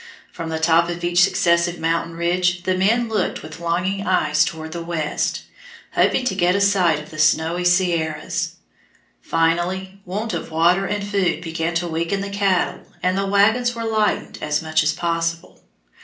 From the top of each successive mountain ridge the men looked with longing eyes toward the west, hoping to get a sight of the snowy Sierras. Finally want of water and food began to weaken the cattle and the wagons were lightened as much as possible.